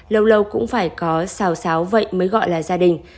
lâu lâu cũng phải có xào xáo vậy mới gọi là gia đình